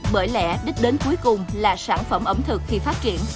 bởi lẽ đích đến cuối cùng là sản phẩm ẩm thực khi phát triển